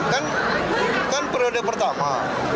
kan kan priode pertama